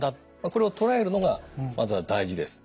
これをとらえるのがまずは大事です。